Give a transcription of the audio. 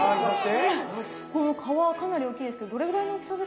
この皮かなり大きいですけどどれぐらいの大きさですかね？